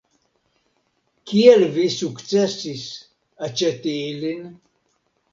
Kiel vi sukcesis aĉeti ilin?